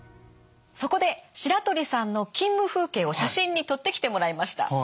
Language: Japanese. そこで白鳥さんの勤務風景を写真に撮ってきてもらいました。